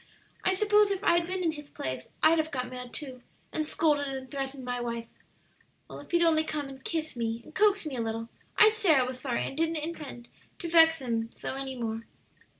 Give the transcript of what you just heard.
"I suppose if I'd been in his place I'd have got mad, too, and scolded and threatened my wife. Well, if he'd only come and kiss me and coax me a little, I'd say I was sorry and didn't intend to vex him, so any more."